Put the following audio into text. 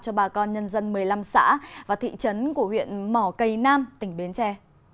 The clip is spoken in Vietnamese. cho bà con nhân dân một mươi năm xã và thị trấn của huyện mỏ cây nam tỉnh bến tre